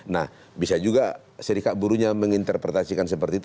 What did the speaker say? nah bisa juga serikat buruhnya menginterpretasikan seperti itu